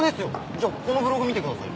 じゃあこのブログ見てください。